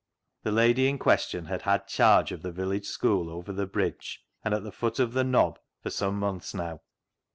^ The lady in question had had charge of the village school over the bridge and at the foot of the " Knob " for some months now.